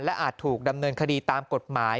อาจถูกดำเนินคดีตามกฎหมาย